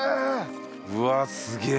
うわっすげえ